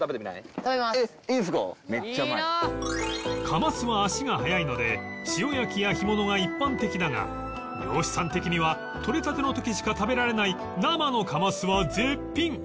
カマスは足が早いので塩焼きや干物が一般的だが漁師さん的にはとれたての時しか食べられない生のカマスは絶品！